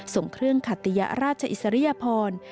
ส่งเครื่องขัตยราชอิสริยพร